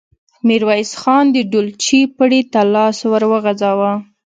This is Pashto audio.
ميرويس خان د ډولچې پړي ته لاس ور وغځاوه.